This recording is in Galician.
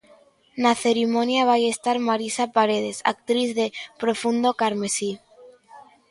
Na cerimonia vai estar Marisa Paredes, actriz de 'Profundo carmesí'.